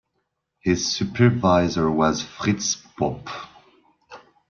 His supervisor was Fritz Bopp.